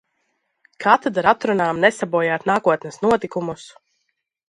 Kā tad ar atrunām nesabojāt nākotnes notikumus?